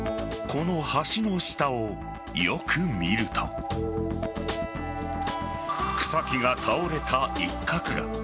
この橋の下をよく見ると草木が倒れた一角が。